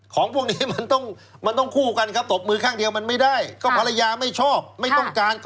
ของพวกนี้มันต้องมันต้องคู่กันครับตบมือข้างเดียวมันไม่ได้ก็ภรรยาไม่ชอบไม่ต้องการก็